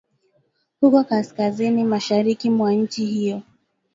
huko kaskazini mashariki mwa nchi hiyo